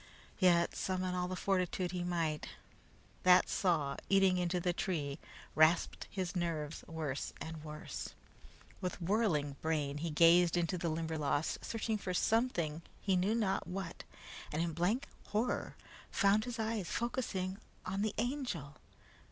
Yet, summon all the fortitude he might, that saw eating into the tree rasped his nerves worse and worse. With whirling brain he gazed into the Limberlost, searching for something, he knew not what, and in blank horror found his eyes focusing on the Angel.